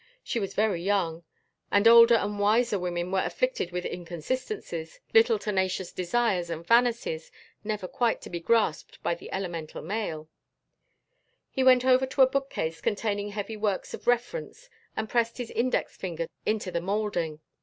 She was very young, and older and wiser women were afflicted with inconsistencies, little tenacious desires and vanities never quite to be grasped by the elemental male. He went over to a bookcase containing heavy works of reference and pressed his index finger into the molding.